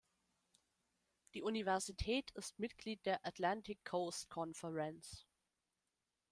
Die Universität ist Mitglied der Atlantic Coast Conference.